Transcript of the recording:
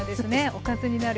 おかずになる。